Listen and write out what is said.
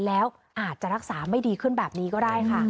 แล้วอาจจะรักษาไม่ดีขึ้นแบบนี้ก็ได้ค่ะ